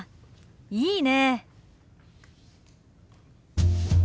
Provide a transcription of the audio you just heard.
いいねえ。